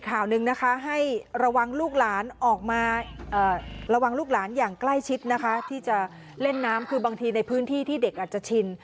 ก็จั้งแต่ที่จะเล่นนำคือบางทีในพื้นที่ที่เด็กอาจจะชิน